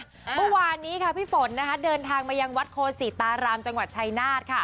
เมื่อวานนี้พี่ฝนเดินทางมายังวัดโคศีตารามจังหวัดชัยนาฏ